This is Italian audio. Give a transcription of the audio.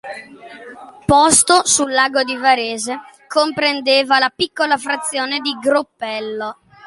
Posto sul lago di Varese, comprendeva la piccola frazione di Groppello.